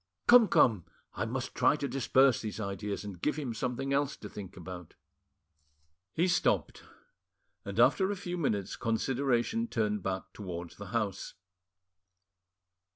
Come, come, I must try to disperse these ideas and give him something else to think about." He stopped, and after a few minutes consideration turned back towards the house.